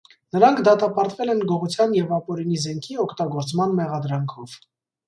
Նրանք դատապարտվել են գողության և ապօրինի զենքի օգտագործման մեղադրանքով։